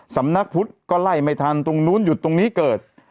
สำนักพุทธก็ไล่ไม่ทันตรงนู้นหยุดตรงนี้เกิด